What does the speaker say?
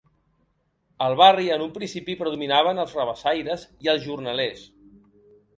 El barri, en un principi, predominaven els rabassaires i els jornalers.